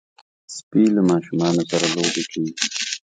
سپي له ماشومانو سره لوبې کوي.